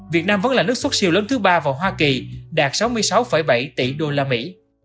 việt nam vẫn là nước xuất siêu lớn thứ ba vào hoa kỳ đạt sáu mươi sáu bảy tỷ đô la mỹ